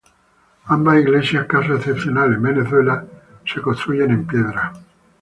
Ambas iglesias, caso excepcional en Venezuela, son construidas en piedra.